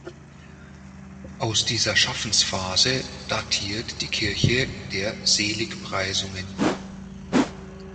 Aus dieser Schaffensphase datiert die Kirche der Seligpreisungen.